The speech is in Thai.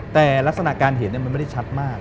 แต่ลักษณะการเห็นมันไม่ได้ชัดมาก